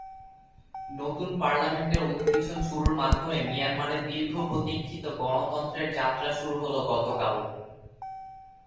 নতুন পার্লামেন্টের অধিবেশন শুরুর মাধ্যমে মিয়ানমারে দীর্ঘ প্রতীক্ষিত গণতন্ত্রের যাত্রা শুরু হলো গতকাল।